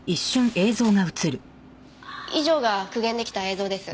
以上が復元出来た映像です。